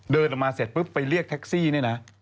เดินออกมาเสร็จปุ๊บไปเรียกแท็กซี่เนี่ยนะ